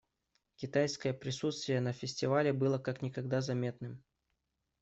Китайское присутствие на фестивале было как никогда заметным.